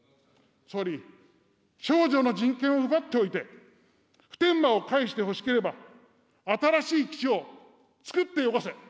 総理、少女の人権を奪っておいて、普天間を返してほしければ、新しい基地をつくってよこせ。